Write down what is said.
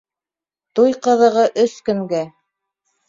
Туй ҡыҙығы өс көнгә.